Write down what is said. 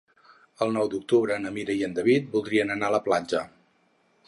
El nou d'octubre na Mira i en David voldria anar a la platja.